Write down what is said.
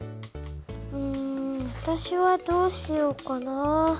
うんわたしはどうしようかな。